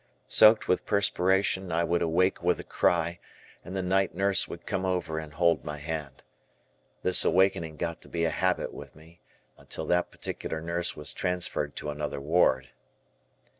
Soaked with perspiration I would awake with a cry, and the night nurse would come over and hold my hand. This awakening got to be a habit with me, until that particular nurse was transferred to another ward.